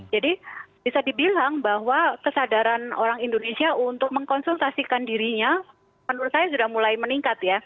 jadi bisa dibilang bahwa kesadaran orang indonesia untuk mengkonsultasikan dirinya menurut saya sudah mulai meningkat ya